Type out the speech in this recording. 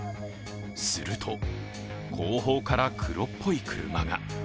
すると、後方から黒っぽい車が。